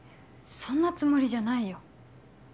そんなつもりじゃないよ